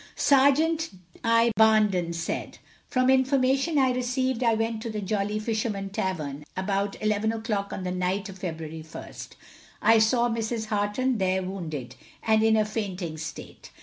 Serjeant I. Barnden said From information I received, I went to the Jolly Fisherman tavern about 11 o'clock on the night of February 1st. I saw Mrs. Harton there wounded, and in a fainting state.